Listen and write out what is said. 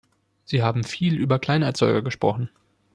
Sie haben viel über Kleinerzeuger gesprochen.